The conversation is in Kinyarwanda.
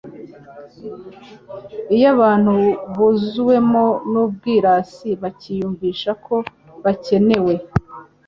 Iyo abantu buzuwemo n'ubwirasi, bakiyumvisha ko bakenewe,